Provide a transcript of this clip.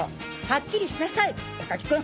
はっきりしなさい高木君！